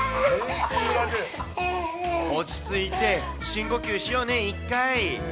落ち着いて、深呼吸しようね、一回。